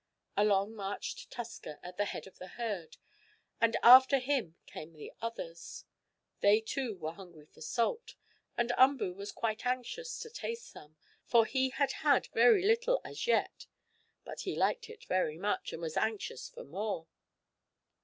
Along marched Tusker at the head of the herd, and after him came the others. They, too, were hungry for salt, and Umboo was quite anxious to taste some, for he had had very little, as yet. But he liked it very much, and was anxious for more.